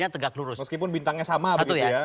tegak lurus meskipun bintangnya sama begitu ya